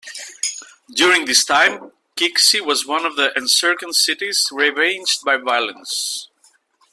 During this time Cixi was one of the encircling cities ravaged by violence.